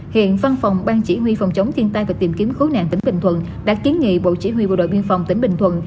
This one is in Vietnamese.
hiện văn phòng ban chỉ huy phòng chống thiên tai và tìm kiếm cứu nạn tỉnh bình thuận đã kiến nghị bộ chỉ huy bộ đội biên phòng tỉnh bình thuận